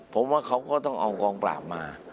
ผมว่าเขาก็ต้องเอากองปราบมา